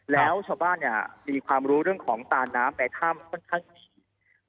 แล้วชาวบ้านมีความรู้เรื่องของตาน้ำในถ้ำค่อนข้างดี